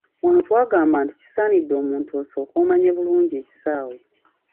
Wano twagamba nti kisaanidde omuntu osooke omanye bulungi ekisaawe.